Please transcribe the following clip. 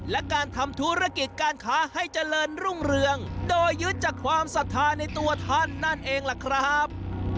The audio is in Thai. และการทำธุรกิจการค้าให้เจริญรุ่งเรืองโดยยึดจากความศรัทธาในตัวท่านนั่นเองล่ะครับ